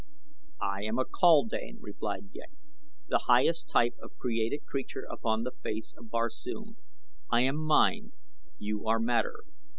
"I am a kaldane," replied Ghek; "the highest type of created creature upon the face of Barsoom; I am mind, you are matter.